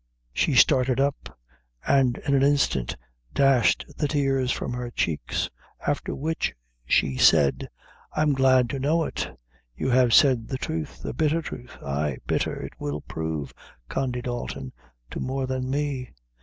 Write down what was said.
She started up, and in an instant dashed the tears from her cheeks; after which she said: "I am glad to know it; you have said the truth the bitther truth; ay, bitther it will prove, Condy Dalton, to more than me.